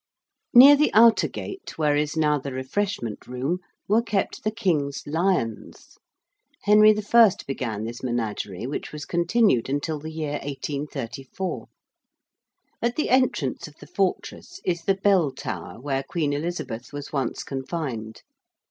Near the outer gate where is now the Refreshment Room were kept the King's lions. Henry I. began this menagerie which was continued until the year 1834. At the entrance of the fortress is the Bell Tower where Queen Elizabeth was once confined.